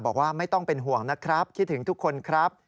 บอกว่าไม่ต้องเป็นห่วงนะครับคิดถึงทุกคนครับ